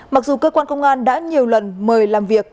mặc dù cơ quan công an đã nhiều lần mời làm việc